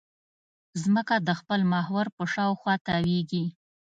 ځمکه د خپل محور په شاوخوا تاوېږي.